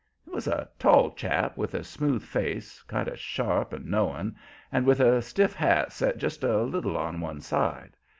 He was a tall chap, with a smooth face, kind of sharp and knowing, and with a stiff hat set just a little on one side.